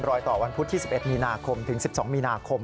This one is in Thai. รอยต่อวันพุฒิที่๑๑มิคมถึง๑๒มิคม